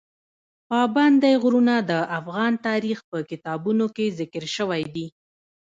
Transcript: پابندی غرونه د افغان تاریخ په کتابونو کې ذکر شوی دي.